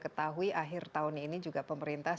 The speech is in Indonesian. ketahui akhir tahun ini juga pemerintah